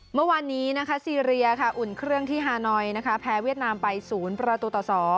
เมื่อวานนี้นะคะซีเรียค่ะอุ่นเครื่องที่ฮานอยนะคะแพ้เวียดนามไป๐ประตูต่อ๒